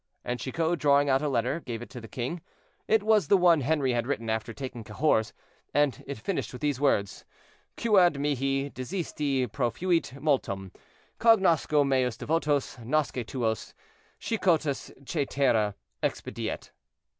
And Chicot, drawing out a letter, gave it to the king. It was the one Henri had written after taking Cahors, and it finished with these words: "Quod mihi dixisti profuit multum, cognosco meos devotos; nosce tuos; Chicotus cætera expediet."